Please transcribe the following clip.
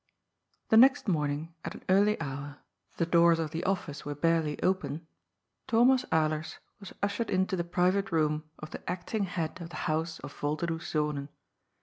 The next morning, at an early honr — ^the doors of the office were barely open — ^Thomas Alers was oshered into the priyate room of the acting head of the house of Volderdoes Zonen.